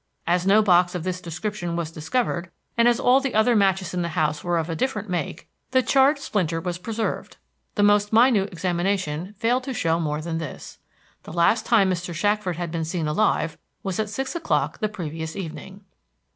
As no box of this description was discovered, and as all the other matches in the house were of a different make, the charred splinter was preserved. The most minute examination failed to show more than this. The last time Mr. Shackford had been seen alive was at six o'clock the previous evening.